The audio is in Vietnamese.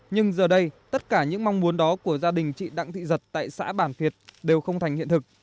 nhưng giờ đây tất cả những mong muốn đó của gia đình chị đặng thị giật tại xã bản phiệt đều không thành hiện thực